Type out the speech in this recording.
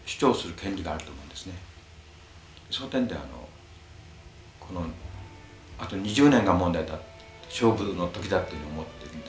その点でこのあと２０年が問題だって勝負の時だっていうふうに思ってるんです。